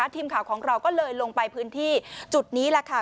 ทีมข่าวของเราก็เลยลงไปพื้นที่จุดนี้แหละค่ะ